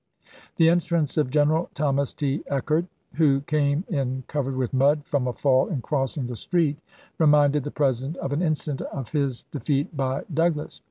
The entrance of General Thomas T. Eckert, who came in covered with mud from a fall in crossing the street, reminded the President of an incident of his defeat by Douglas.